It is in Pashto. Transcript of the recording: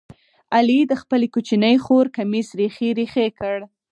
علي د خپلې کوچنۍ خور کمیس ریخې ریخې کړ.